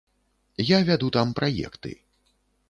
Я вяду там праекты.